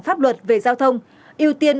pháp luật về giao thông ưu tiên